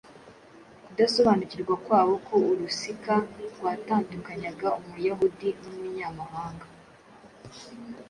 kudasobanukirwa kwabo ko urusika rwatandukanyaga Umuyahudi n’Umunyamahanga